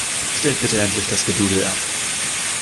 Stellt bitte endlich das Gedudel ab!